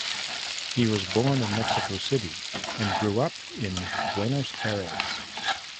He was born in Mexico City and grew up in Buenos Aires.